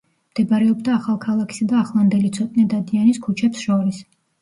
მდებარეობდა ახალქალაქისა და ახლანდელი ცოტნე დადიანის ქუჩებს შორის.